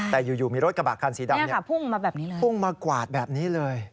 ใช่เนี่ยครับพุ่งมาแบบนี้เลยพุ่งมากวาดแบบนี้เลย